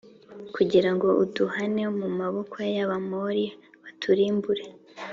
kugira ngo uduhane mu maboko y Abamori baturimbure